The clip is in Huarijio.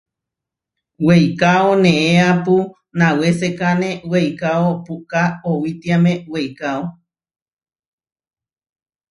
Weikaóba neʼeapu nawésekane, eikó puʼká oʼowitiáme weikáo.